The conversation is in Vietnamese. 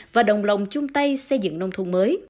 và đồng lòng chung tay xây dựng nông thôn mới